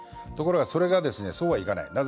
ところがそれがそうはいかない。